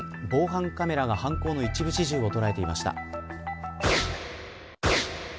防犯カメラが犯行の一部始終を捉えていました。